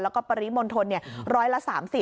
แล้วก็ปริมณฑลร้อยละ๓๐